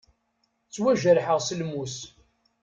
Ttwajerḥeɣ s lmus.